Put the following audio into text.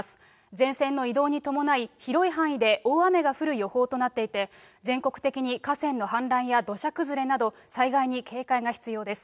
前線の移動に伴い、広い範囲で大雨が降る予報となっていて、全国的に河川の氾濫や土砂崩れなど、災害に警戒が必要です。